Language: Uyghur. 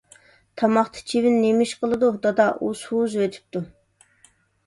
_ تاماقتا چىۋىن نېمىش قىلدۇ؟ _ دادا، ئۇ سۇ ئۈزۈۋېتىپتۇ.